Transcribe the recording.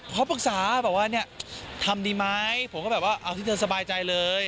เขาปรึกษาบอกว่าเนี่ยทำดีไหมผมก็แบบว่าเอาที่เธอสบายใจเลย